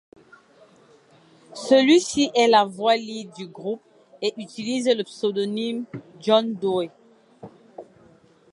Celui-ci est la voix lead du groupe et utilise le pseudonyme John Doe.